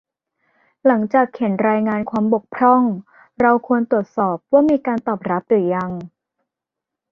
หลังจากเขียนรายงานความบกพร่อง เราควรตรวจสอบว่ามีการตอบรับหรือยัง